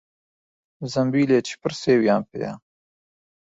زەمبیلێکی پڕ سێویان پێیە.